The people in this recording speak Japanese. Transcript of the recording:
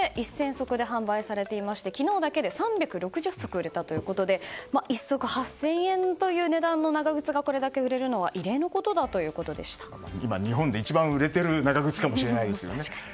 足で販売されていまして昨日だけで３６０足売れたということで１足８０００円という長靴がこれだけ売れるのは今、日本で一番売れている長靴かもですね。